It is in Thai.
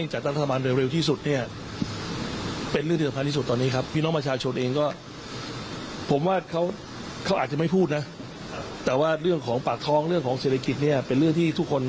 หน้าที่นักการเมืองคืออะไร